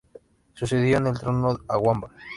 Sucedió en el trono a Wamba.